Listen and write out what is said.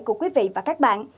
của quý vị và các bạn